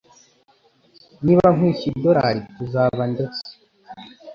Niba nkwishyuye idorari, tuzaba ndetse.